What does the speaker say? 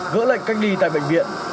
gỡ lệnh cách ly tại bệnh viện